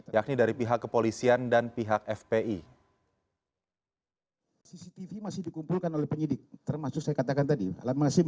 yakni dari pihak kepolisian dan pihak fpi